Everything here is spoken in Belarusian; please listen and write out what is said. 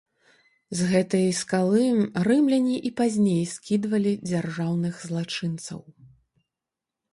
З гэтай скалы рымляне і пазней скідвалі дзяржаўных злачынцаў.